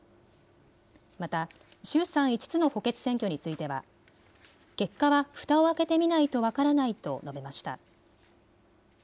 また衆参５つの補欠選挙については結果はふたを開けてみないと分からないと述べました。